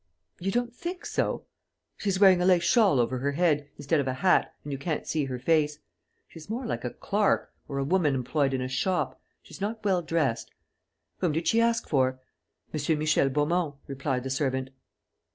"You don't think so!" "She's wearing a lace shawl over her head, instead of a hat, and you can't see her face.... She's more like a clerk ... or a woman employed in a shop. She's not well dressed...." "Whom did she ask for?" "M. Michel Beaumont," replied the servant.